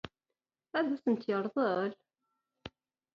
Ad asent-t-yeṛḍel?